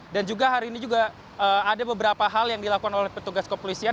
dan juga hari ini juga ada beberapa hal yang dilakukan oleh petugas kepolisian